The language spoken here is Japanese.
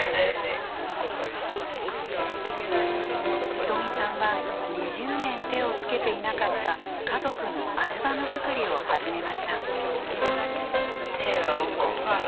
仁美さんは２０年手をつけていなかった家族のアルバム作りを始めました。